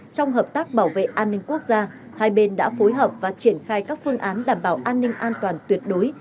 trong hợp tác bảo vệ an ninh quốc gia hai bên đã phối hợp và triển khai các phương án đảm bảo an ninh an toàn tuyệt đối